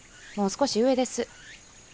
もう少し上です。